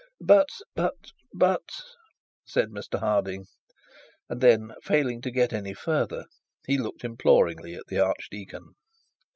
'But! But! But ' said Mr Harding; and then failing to get any further, he looked imploringly at the archdeacon.